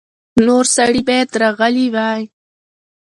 نور سړي باید راغلي وای.